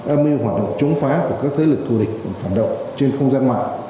âm mưu hoạt động chống phá của các thế lực thù địch phản động trên không gian mạng